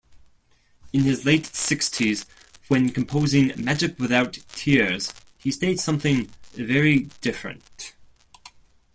In his late sixties, when composing "Magick Without Tears", he states something very different.